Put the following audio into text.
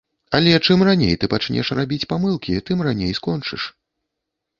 Але чым раней ты пачнеш рабіць памылкі, тым раней скончыш.